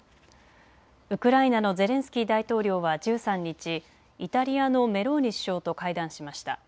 ウクライナのゼレンスキー大統領は１３日、イタリアのメローニ首相と会談しました。